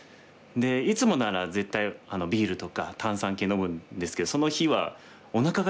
いつもなら絶対ビールとか炭酸系飲むんですけどその日は食べ物も食べれなくて。